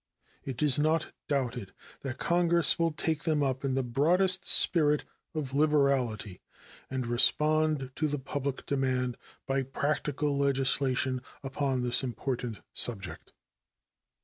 It is not doubted that Congress will take them up in the broadest spirit of liberality and respond to the public demand by practical legislation upon this important subject.